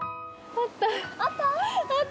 あった！